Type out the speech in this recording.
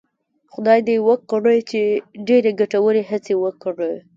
خدای دې وکړي چې ډېرې ګټورې هڅې وکړي.